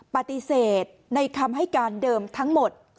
ปฏิเสธในคำให้การเดิมทั้งหมด